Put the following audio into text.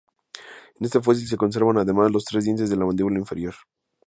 En este fósil se conservan además los tres dientes de la mandíbula inferior.